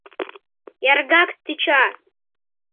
Яргак тӱча!..